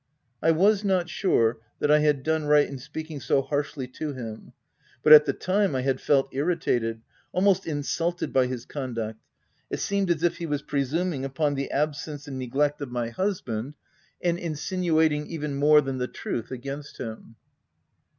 I was not sure that I had done right in speaking so harshly to him ; but at the time, I had felt irritated— almost insulted by his conduct ; it seemed as if he was presum ing upon the absence and neglect of my hus i 2 172 THE TENANT band, and insinuating even more than the truth against him.